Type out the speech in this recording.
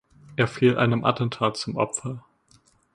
Er fiel einem Attentat zum Opfer.